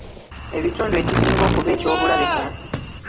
Ebitundu ekisinga okuba eky'obulabe ku nsi.